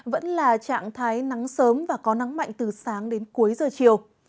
vẫn là trạng thái nắng sớm và có nắng mạnh từ sáng đến cuối giờ chiều